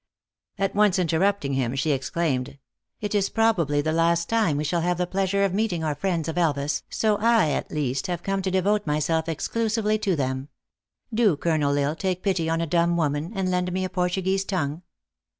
At once interrupting him, she exclaimed: "It is THE ACTRESS IN HIGH LIFE. 359 probably the last time we shall have the pleasure of meeting our friends of Elvas, so I at least have come to devote myself exclusively to them. Do, Colonel L Isle, take pity on a dumb woman, and lend me a Portuguese tongue."